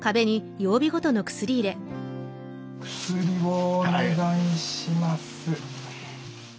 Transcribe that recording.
薬をお願いします。